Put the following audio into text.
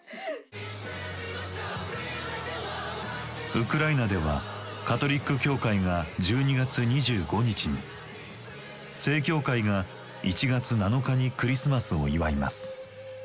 ウクライナではカトリック教会が１２月２５日に正教会が１月７日にクリスマスを祝います。